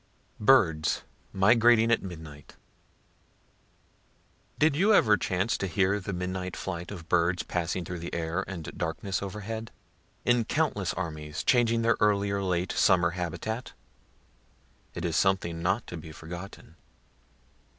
BIRDS MIGRATING AT MIDNIGHT Did you ever chance to hear the midnight flight of birds passing through the air and darkness overhead, in countless armies, changing their early or late summer habitat? It is something not to be forgotten.